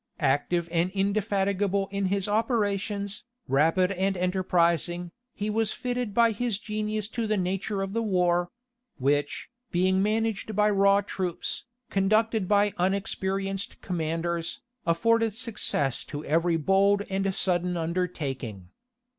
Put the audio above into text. Active and indefatigable in his operations, rapid and enterprising, he was fitted by his genius to the nature of the war; which, being managed by raw troops, conducted by unexperienced commanders, afforded success to every bold and sudden undertaking.